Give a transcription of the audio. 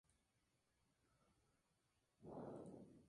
Hyeon-woo siempre esta preocupado porque su mujer se queda sola en casa.